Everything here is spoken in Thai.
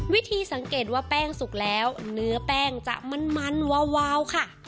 วิธีสังเกตว่าแป้งสุกแล้วเนื้อแป้งจะมันวาวค่ะ